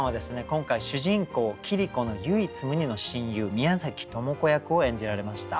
今回主人公桐子の唯一無二の親友宮崎知子役を演じられました。